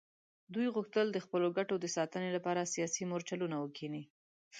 دوی غوښتل د خپلو ګټو د ساتنې لپاره سیاسي مورچلونه وکیني.